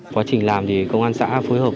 quá trình làm thì công an xã phối hợp